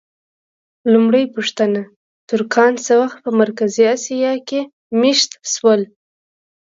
لومړۍ پوښتنه: ترکان څه وخت په مرکزي اسیا کې مېشت شول؟